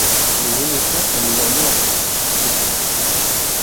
Les émissions sont désormais enregistrées en public.